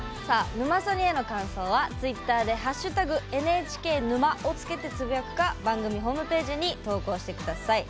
「ヌマソニ」への感想はツイッターで「＃ＮＨＫ沼」をつけてつぶやくか番組ホームページに投稿して下さい。